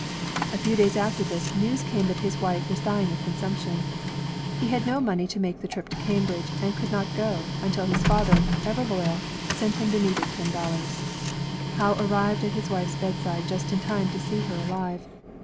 A few days after this, news came that his wife was dying of corisimiption. He had no money to make the trip to Cambridge, and could not go, until his father — ever loyal — sent him the needed ten dollars. Howe arrived at his wife's bedside just in time to see her alive.